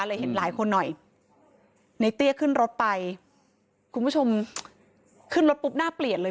เห็นหลายคนหน่อยในเตี้ยขึ้นรถไปคุณผู้ชมขึ้นรถปุ๊บหน้าเปลี่ยนเลย